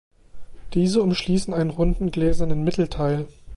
Diese umschließen einen runden gläsernen Mittelteil.